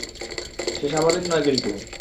সে স্বাভাবিক নয় কিন্তু।